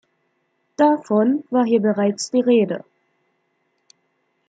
Davon war hier bereits die Rede.